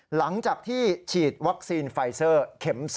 หลังจากที่ฉีดวัคซีนไฟเซอร์เข็ม๒